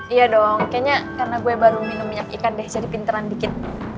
iya dong kayaknya karena gue baru minum minyak ikan deh jadi pinteran dikit